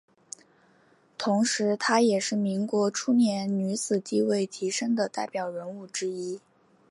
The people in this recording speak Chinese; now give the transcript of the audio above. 同时她也是民国初年女子地位提升的代表人物之一。